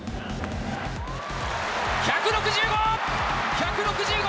１６５！